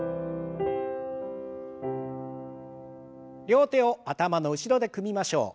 両手を頭の後ろで組みましょう。